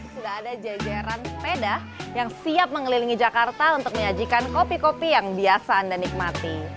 sudah ada jajaran sepeda yang siap mengelilingi jakarta untuk menyajikan kopi kopi yang biasa anda nikmati